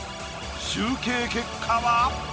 集計結果は？